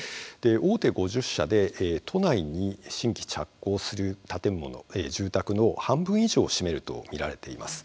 大手５０社で都内に新規着工する建物、住宅の半分以上を占めると見られています。